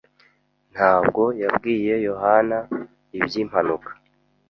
Ntabwo yabwiye Yohana iby'impanuka.